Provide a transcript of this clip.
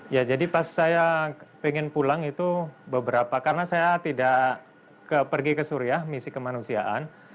ya jadi pas saya ingin pulang itu beberapa karena saya tidak pergi ke suriah misi kemanusiaan